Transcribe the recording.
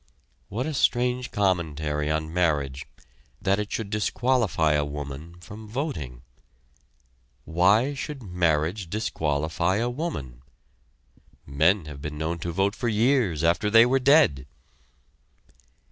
What a strange commentary on marriage that it should disqualify a woman from voting. Why should marriage disqualify a woman? Men have been known to vote for years after they were dead!